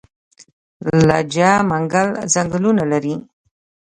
لجه منګل ځنګلونه لري؟